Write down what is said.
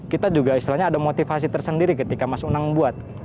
kita juga ada motivasi tersendiri ketika mas unang membuat